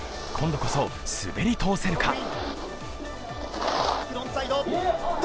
今度こそ、滑り通せるか。